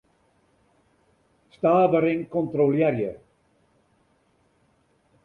Stavering kontrolearje.